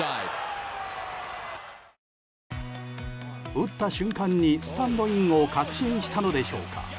打った瞬間にスタンドインを確信したのでしょうか。